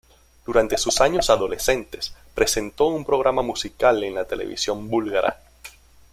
Durante sus años adolescentes, presentó un programa musical en la televisión búlgara.